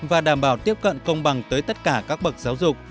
và đảm bảo tiếp cận công bằng tới tất cả các bậc giáo dục